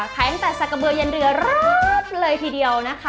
ขายตั้งแต่สักกระเบือยันเรือรอบเลยทีเดียวนะคะ